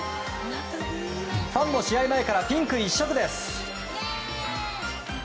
ファンも試合前からピンク一色です。